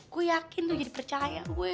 gue yakin tuh jadi percaya